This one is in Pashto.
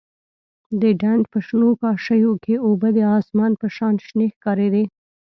د ډنډ په شنو کاشيو کښې اوبه د اسمان په شان شنې ښکارېدې.